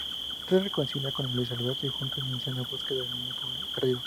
Se reconcilia con Luis Alberto y juntos inician la búsqueda del niño perdido.